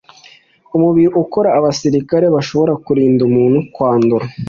umubiri ukora abasirikare bashobora kurinda umuntu kwandura